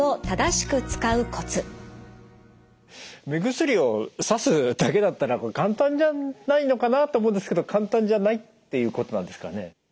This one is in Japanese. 目薬をさすだけだったら簡単じゃないのかなと思うんですけど簡単じゃないっていうことなんですかね？